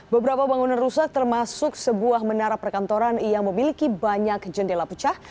beberapa bangunan rusak termasuk sebuah menara perkantoran yang memiliki banyak jendela pecah